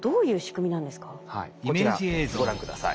こちらご覧下さい。